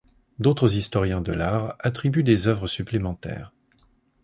D'autres historiens de l'art attribuent des œuvres supplémentaires.